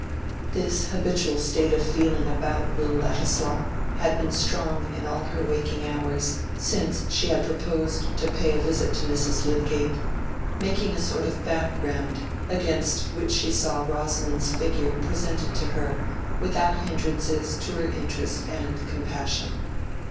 This habitual state of feeling about Will Ladislaw had been strong in all her waking hours since she had proposed to pay a visit to Mrs. Lydgate, making a sort of background against which she saw Rosamond's figure presented to her without hindrances to her interest and compassion.